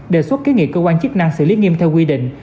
đề xuất kế nghị cơ quan chức năng xử lý nghiêm theo quy định